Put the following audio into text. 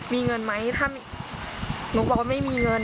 มีเงินไหมถ้าหนูบอกว่าไม่มีเงิน